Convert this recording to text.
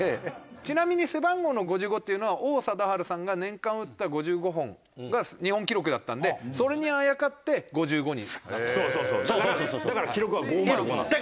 ちなみに背番号の５５っていうのは王貞治さんが年間打った５５本が日本記録だったんでそれにあやかって５５に。